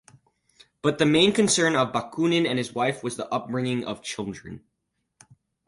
But the main concern of Bakunin and his wife was the upbringing of children.